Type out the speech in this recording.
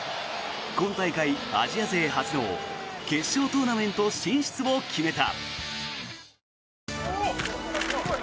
今大会アジア勢初の決勝トーナメント進出を決めた。